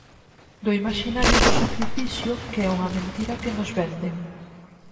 Do imaxinario do sacrificio, que é unha mentira que nos venden.